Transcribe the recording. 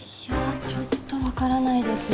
ちょっとわからないですね。